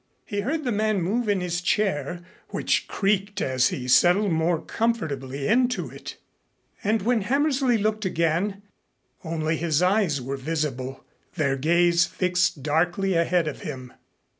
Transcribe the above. He heard the man move in his chair, which creaked as he settled more comfortably into it. And when Hammersley looked again, only his eyes were visible, their gaze fixed darkly ahead of him.